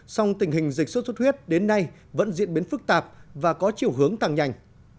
song tình hình dịch sốt xuất huyết đến nay vẫn diễn biến phức tạp và có chiều hướng tăng nhanh